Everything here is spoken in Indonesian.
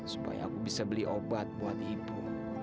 supaya aku bisa beli obat buat ibu